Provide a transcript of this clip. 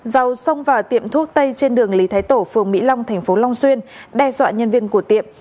dầu xông vào tiệm thuốc tây trên đường lý thái tổ phường mỹ long thành phố long xuyên đe dọa nhân viên của tiệm